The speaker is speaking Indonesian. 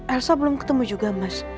elsa belum ketemu juga mas